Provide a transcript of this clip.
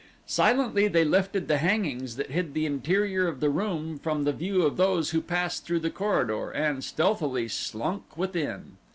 Silently they lifted the hangings that hid the interior of the room from the view of those who passed through the corridor, and stealthily slunk within.